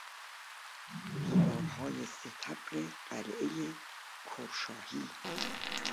دیوارهای ستبر قعلهی کرشاهی